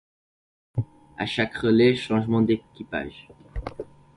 A chaque relais, changement d'équipage.